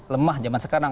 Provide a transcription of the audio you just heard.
lemah zaman sekarang